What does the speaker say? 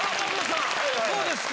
どうですか？